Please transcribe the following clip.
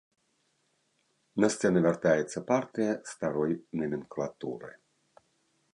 На сцэну вяртаецца партыя старой наменклатуры.